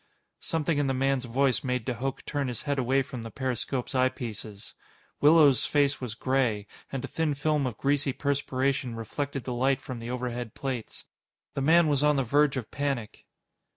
Something in the man's voice made de Hooch turn his head away from the periscope's eyepieces. Willows' face was gray, and a thin film of greasy perspiration reflected the light from the overhead plates. The man was on the verge of panic.